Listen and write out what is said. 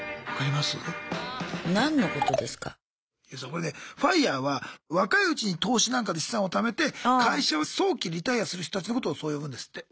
これねＦＩＲＥは若いうちに投資なんかで資産を貯めて会社を早期リタイアする人たちのことをそう呼ぶんですって。